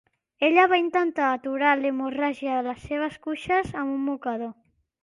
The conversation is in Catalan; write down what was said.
Ella va intentar aturar l'hemorràgia de les seves cuixes amb un mocador.